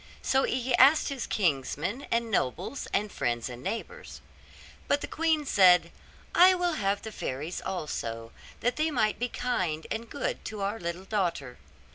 So he asked his kinsmen, and nobles, and friends, and neighbours. But the queen said, 'I will have the fairies also, that they might be kind and good to our little daughter.